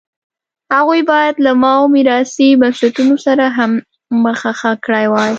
هغوی باید له ماوو میراثي بنسټونو سره هم مخه ښه کړې وای.